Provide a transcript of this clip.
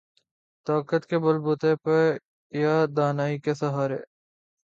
طاقت کے بل بوتے پہ یا دانائی کے سہارے۔